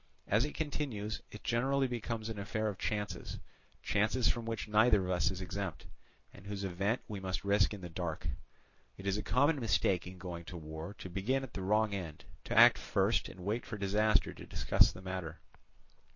As it continues, it generally becomes an affair of chances, chances from which neither of us is exempt, and whose event we must risk in the dark. It is a common mistake in going to war to begin at the wrong end, to act first, and wait for disaster to discuss the matter.